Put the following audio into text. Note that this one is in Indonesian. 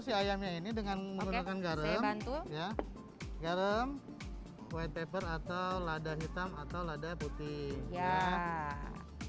si ayamnya ini dengan menggunakan garam garam white pepper atau lada hitam atau lada putih